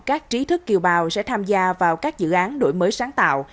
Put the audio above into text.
các trí thức kiều bào sẽ tham gia vào các dự án đổi mới sáng tạo